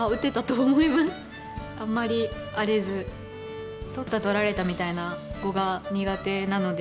あんまり荒れず取った取られたみたいな碁が苦手なので。